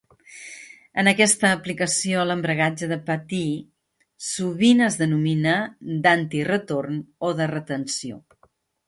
En aquesta aplicació, l'embragatge de patí sovint es denomina "d'antiretorn" o de "retenció".